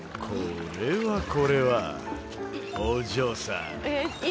「これはこれはお嬢さん。